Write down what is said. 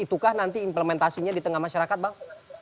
itukah nanti implementasinya di tengah masyarakat bang